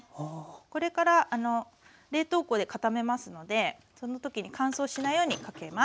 これから冷凍庫で固めますのでその時に乾燥しないようにかけます。